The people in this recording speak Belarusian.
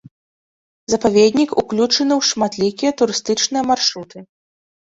Запаведнік уключаны ў шматлікія турыстычныя маршруты.